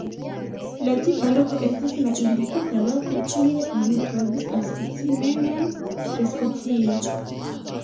La tipa loko estas la indikita loko kie oni trovis la specimenon de specio.